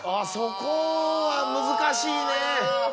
そこは難しいね。